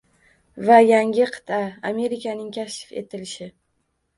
Va yangi qit’a — Amerikaning kashf etilishi